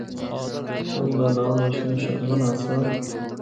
اُن دا ناں وشنو شرمن آسا۔